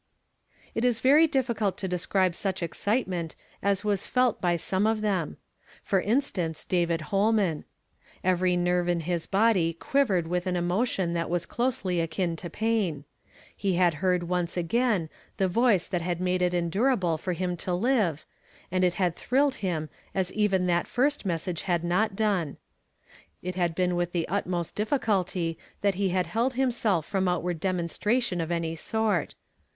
It is very difficult to describe such excitement as was felt by some of them ; for instance, David Holman. Every nerve in liis body quivered with an emotion that was closely akin to pain. He had heard once again the voice that had made It endurable for him to live, and it had thrilled him as even that first message had not done. It had been with the utmost difficulty that he had held himself from outward demonstration of any sort.